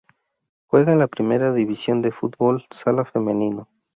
Juega en la Primera División de fútbol sala femenino.